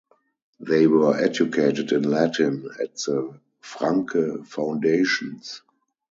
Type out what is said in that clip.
They were educated in Latin at the Francke Foundations.